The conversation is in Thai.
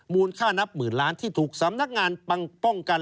ค่านับหมื่นล้านที่ถูกสำนักงานปังป้องกัน